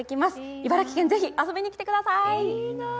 茨城県、是非遊びに来てください。